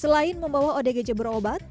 selain membawa odgj berobat